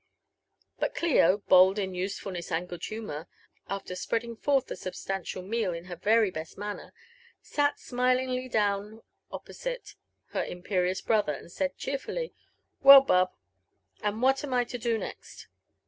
But Clio, bold in use fulness and good humour, after spreading forth the substantial meal ID her very best manner, sat smilingly down opposite her imperious brother, and said cheerfully, ''Well, Bub, and what am I to do next?"